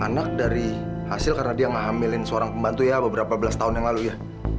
anak dari hasil karena dia ngehamilin seorang pembantu ya beberapa belas tahun yang lalu ya